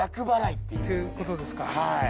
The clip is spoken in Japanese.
っていう事ですか。